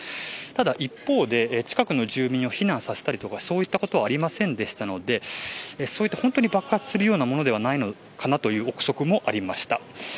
ただ一方で、近くの住民を避難させたりはありませんでしたので爆発するようなものではないかなという臆測もありました。